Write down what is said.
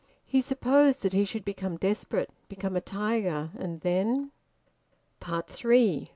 He supposed that he should become desperate, become a tiger, and then... THREE.